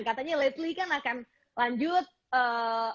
katanya lately kan akan lanjut oktober